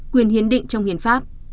quyền hiến định trong hiến pháp